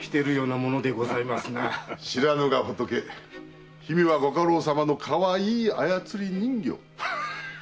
知らぬが仏姫はご家老様のかわいい操り人形。